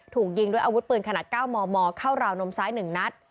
ถูกยิงด้วยอาวุธปืนขนาด๙มมเข้าราวนมซ้าย๑นัด